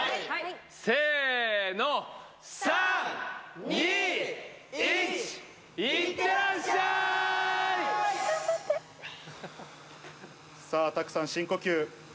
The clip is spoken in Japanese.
せーの、３、２、１、いってらっさあ、拓さん、深呼吸。